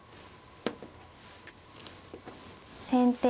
先手